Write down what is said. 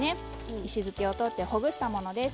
石突きを取ってほぐしたものです。